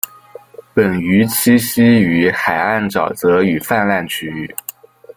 本鱼栖息于海岸沼泽与泛滥区域。